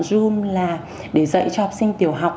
zoom là để dạy cho học sinh tiểu học